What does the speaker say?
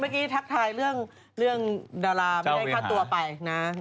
ทักทายเรื่องดาราไม่ได้ค่าตัวไปนะ